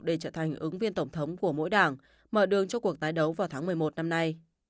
để trở thành ứng viên tổng thống của mỗi đảng mở đường cho cuộc tái đấu vào tháng một mươi một năm nay